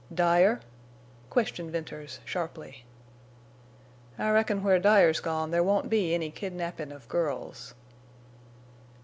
"Dyer?" questioned Venters, sharply. "I reckon where Dyer's gone there won't be any kidnappin' of girls."